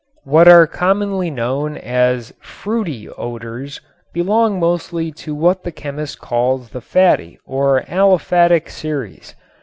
What are commonly known as "fruity" odors belong mostly to what the chemist calls the fatty or aliphatic series.